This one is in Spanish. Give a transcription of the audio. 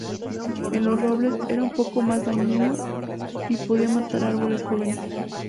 En los robles, era un poco más dañino y podía matar árboles jóvenes.